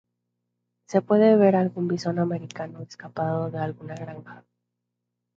Se puede ver algún visón americano escapado de alguna granja.